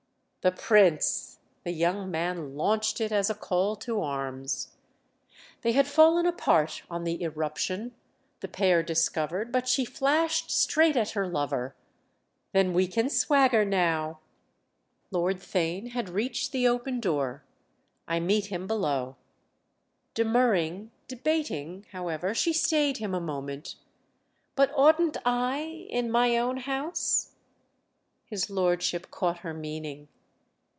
"The Prince!"—the young man launched it as a call to arms. They had fallen apart on the irruption, the pair discovered, but she flashed straight at her lover: "Then we can swagger now!" Lord Theign had reached the open door. "I meet him below." Demurring, debating, however, she stayed him a moment. "But oughtn't I—in my own house?" His lordship caught her meaning.